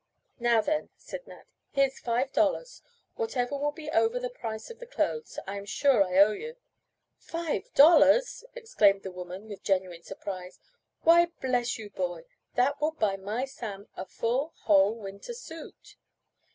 "Now then," said Nat, "here's five dollars, whatever will be over the price of the clothes I am sure I owe you " "Five dollars!" exclaimed the woman with genuine surprise. "Why, bless you boy, that would buy my Sam a full, whole winter suit."